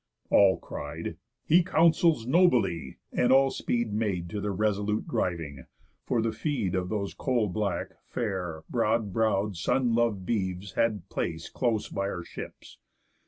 All cried 'He counsels nobly,' and all speed Made to their resolute driving; for the feed Of those coal black, fair, broad brow'd, sun lov'd beeves Had place close by our ships.